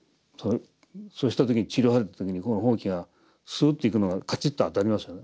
そうした時に「塵を払え」って言った時にこのほうきがスッといくのがカチッと当たりますよね。